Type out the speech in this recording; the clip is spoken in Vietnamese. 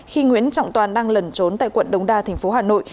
khi nguyễn trọng toàn đang lẩn trốn tại quận đông đa thành phố hà nội